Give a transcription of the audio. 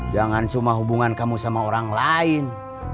jangan cuma hubungan kamu sama orang lain